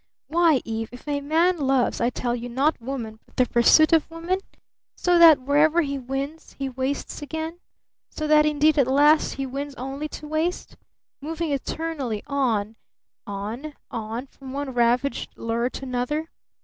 Why, Eve! If a man loves, I tell you, not woman, but the pursuit of woman? So that wherever he wins he wastes again? So that indeed at last, he wins only to waste? Moving eternally on on on from one ravaged lure to another?